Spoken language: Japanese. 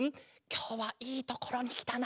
きょうはいいところにきたな。